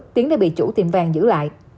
tiến đã bị chủ tìm vàng giữ lại